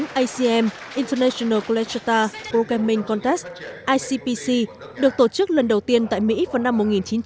máy tính acm international college of technology programming contest icpc được tổ chức lần đầu tiên tại mỹ vào năm một nghìn chín trăm bảy mươi